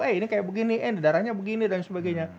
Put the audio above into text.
eh ini kayak begini eh darahnya begini dan sebagainya